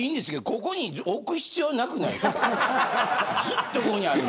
ここに置く必要なくない。